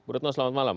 retno selamat malam